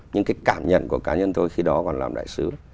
nhưng cái cảm nhận của cá nhân tôi khi đó còn làm đại sứ